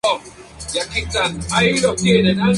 El Regimiento se subdivide en dos Grupos de Escuadrones.